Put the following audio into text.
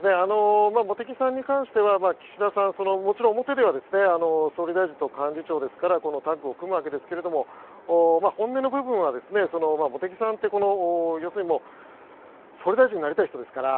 茂木さんに関しては岸田さん、もちろん表では総理大臣と幹事長ですからタッグを組むわけですけど本音の部分は茂木さんって要するに総理大臣になりたい人ですから。